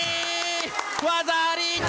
技あり！